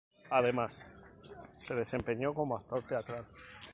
Además, se desempeñó como actor teatral.